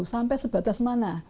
sampai sebatas mana